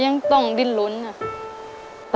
ก็ยังต้องดินลุ้นอ่ะ